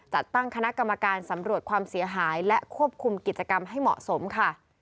จัดตั้งคณะกรรมการสำรวจความเสียหายและควบคุมกิจกรรมให้เหมาะสมค่ะ